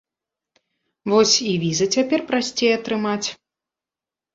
Вось і візы цяпер прасцей атрымаць.